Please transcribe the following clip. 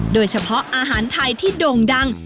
โดยเฉพาะอาหารไทยที่โด่งดัง